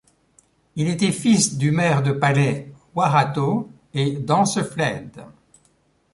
Il était fils du maire de palais Waratto et d'Anseflède.